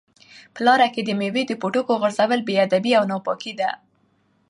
په لاره کې د مېوې د پوټکو غورځول بې ادبي او ناپاکي ده.